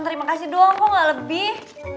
terima kasih doang kok gak lebih